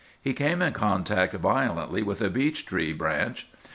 He came in contact violently with a beech tree branch.